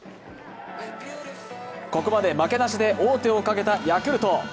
ここまで負けなしで王手をかけたヤクルト。